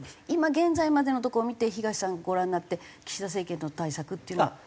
今現在までのところを見て東さんがご覧になって岸田政権の対策っていうのは。